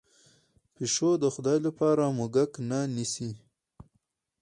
پیشو د خدای لپاره موږک نه نیسي.